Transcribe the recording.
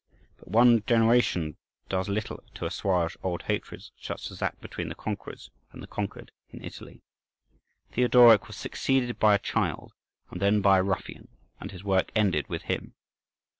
But one generation does little to assuage old hatreds such as that between the conquerors and the conquered in Italy. Theodoric was succeeded by a child, and then by a ruffian, and his work ended with him.